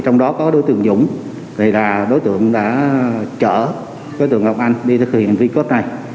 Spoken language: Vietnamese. trong đó có đối tượng dũng là đối tượng đã chở đối tượng ngọc anh đi thực hiện vi cướp này